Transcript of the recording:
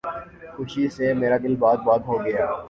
خوشی سے میرا دل باغ باغ ہو گیا